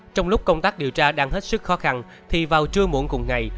trong lúc công tác điều tra đang hết sức khó khăn thì vào trưa muộn cùng ngày